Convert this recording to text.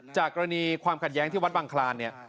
จากกรณีความขัดแย้งที่วัดบังคลานเนี่ย